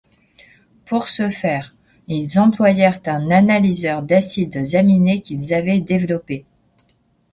Pour ce faire ils employèrent un analyseur d'acides aminés qu'ils avaient développé.